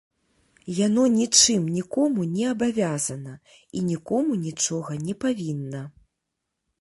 Яно нічым нікому не абавязана і нікому нічога не павінна.